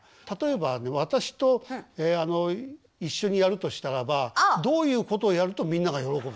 例えばね私と一緒にやるとしたらばどういうことをやるとみんなが喜ぶの？